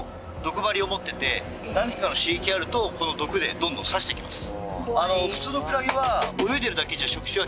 何かの刺激があるとこの毒でどんどん刺していきます。